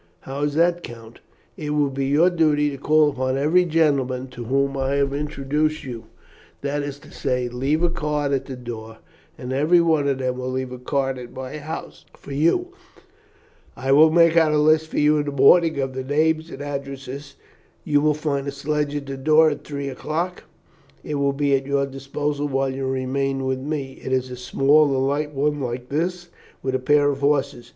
"How is that, Count?" "It will be your duty to call upon every gentleman to whom I have introduced you; that is to say, to leave a card at the door, and every one of them will leave a card at my house for you. I will make out a list for you in the morning of the names and addresses. You will find a sledge at the door at three o'clock; it will be at your disposal while you remain with me. It is a small and light one, like this, with a pair of horses.